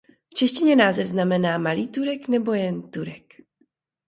V češtině název znamená Malý Turek nebo jen Turek.